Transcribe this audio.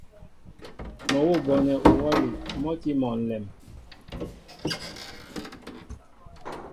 Mɔ́ awʉ́ a bonɛ uhwɔ́li mɔ́ a tí mɔ ǹlɛm.